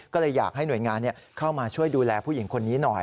ก็เลยอยากให้หน่วยงานเข้ามาช่วยดูแลผู้หญิงคนนี้หน่อย